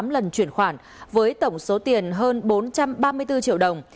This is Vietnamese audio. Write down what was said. hai mươi tám lần chuyển khoản với tổng số tiền hơn bốn trăm ba mươi bốn triệu đồng